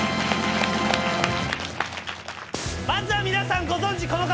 まずは皆さんご存じこの方。